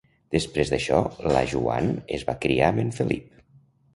Després d'això, la Joan es va criar amb en Felip.